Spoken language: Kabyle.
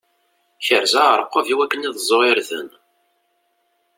Kerzeɣ aɛerqub iwakken ad ẓẓuɣ irden.